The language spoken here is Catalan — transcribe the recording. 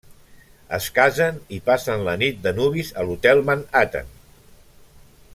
Es casen i passen la nit de nuvis a l'hotel Manhattan.